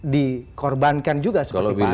dikorbankan juga seperti pak